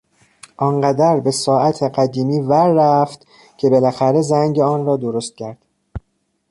آن قدر به ساعت قدیمی ور رفت که بالاخره زنگ آن را درست کرد.